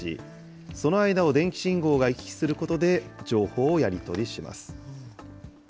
その間を電気信号が行き来することで情報をやり取りします。